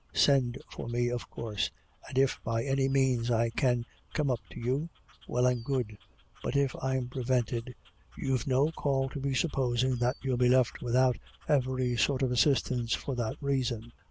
Send for me of course, and if by any means I can come up to you, well and good. But if I'm prevented, you've no call to be supposing that you'll be left without every sort of assistance for that reason.